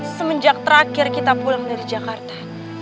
semenjak terakhir kita pulang dari jakarta